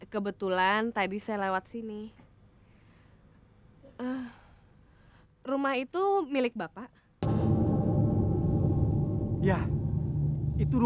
kebetulan amat lihat rumah saya tadi